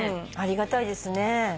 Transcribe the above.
ありがたいですね。